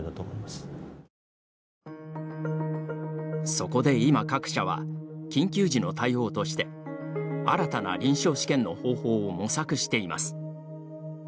そこで、今各社は緊急時の対応として新たな臨床試験の方法を模索しています。